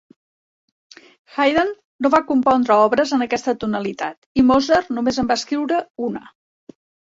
Haydn no va compondre obres en aquesta tonalitat i Mozart només en va escriure una.